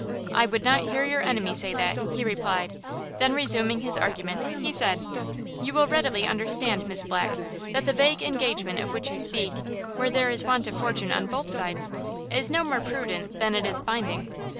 "I would not hear your enemy say that," he replied; then, resuming his argument, he said: "You will readily understand, Miss Black, that the vague engagement of which you speak, where there is want of fortune on both sides, is no more prudent than it is binding.